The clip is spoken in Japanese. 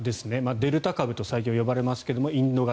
デルタ株と最近は呼ばれますがインド型。